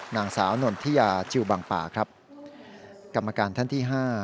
นางสาวนนทิยาจิลบังป่าครับกรรมการท่านที่๕